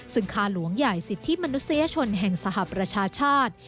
ซึ่งคาหลวงใหญ่สิทธิมนุษยชนแห่งสหประชาชาติ